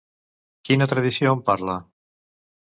Quina tradició en parla?